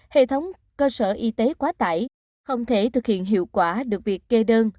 hệ thống cơ sở y tế quá tải không thể thực hiện hiệu quả được việc kê đơn